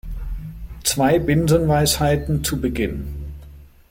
Zwei Binsenweisheiten zu Beginn.